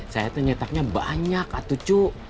saya nyetaknya banyak tuh cu